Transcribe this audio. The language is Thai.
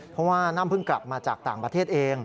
เพราะว่าน่ำเพิ่งกลับมาจากต่างประเทศเอง